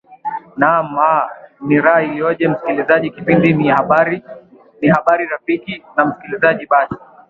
naam aa ni raha ilioje msikilizaji kipindi ni habari rafiki na msikilizaji basi